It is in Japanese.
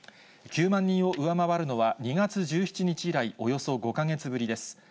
９万人を上回るのは、２月１７日以来、およそ５か月ぶりです。